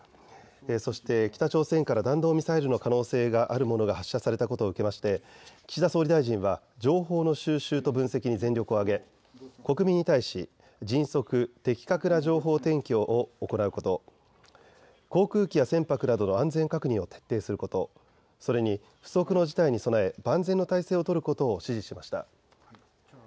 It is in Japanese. そして北朝鮮から弾道ミサイルの可能性があるものが発射されたことを受けまして岸田総理大臣は情報の収集と分析に全力を挙げ国民に対し迅速・的確な情報天気を行うこと、航空機や船舶などの安全確認を徹底すること、それに不測の事態に備え万全の態勢を取ることを指示しました。